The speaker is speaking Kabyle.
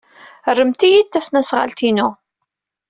Rremt-iyi-d tasnasɣalt-inu.